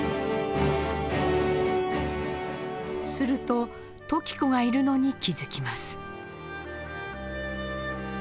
すると時子がいるのに気付きます。